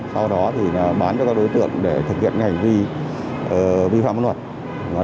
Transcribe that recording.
sau đó thì bán cho các đối tượng để thực hiện hành vi vi phạm pháp luật